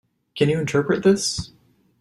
Can you interpret this?